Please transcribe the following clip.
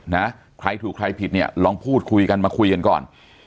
นะใครถูกใครผิดเนี่ยลองพูดคุยกันมาคุยกันก่อน